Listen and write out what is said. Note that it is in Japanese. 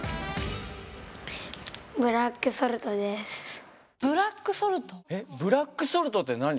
ブラックソルトって何？